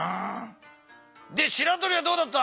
しらとりはどうだった？